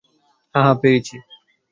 হ্যাঁ, হ্যাঁ, পেয়েছি।